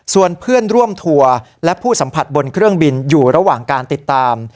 ส่วนเพื่อนร่วมทัวร์และผู้สัมผัสบนเครื่องบินอยู่ระหว่างการติดตาม